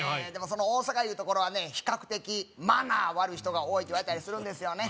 その大阪いうところはね比較的マナー悪い人が多いって言われたりするんですよね